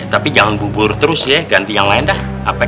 tapi jangan bubur terus ya ganti yang lain dah